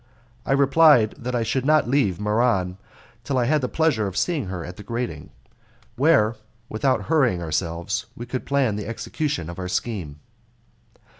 I replied that I should not leave Muran till I had the pleasure of seeing her at the grating, where, without hurrying ourselves, we could plan the execution of our scheme.